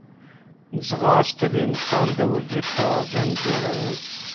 ځغاسته د انسان د وجود توازن جوړوي